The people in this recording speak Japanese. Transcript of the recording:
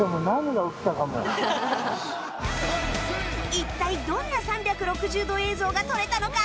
一体どんな３６０度映像が撮れたのか？